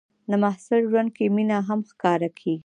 د محصل ژوند کې مینه هم راښکاره کېږي.